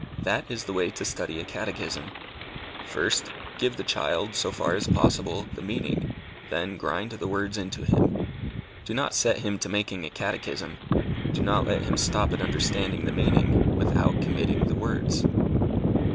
That is the way to study a catechism. First, give the child, so far as possible, the meaning, then grind the words into him. Do not set him to making a catechism; do not let him stop at understanding the meaning, without committing the words.